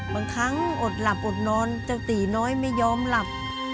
บางครั้งอดหลับอดนอนสติน้อยไม่ยอมหลับ